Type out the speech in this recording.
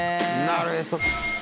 なるへそ。